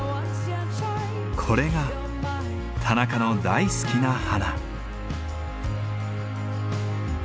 これが田中の大好きな花。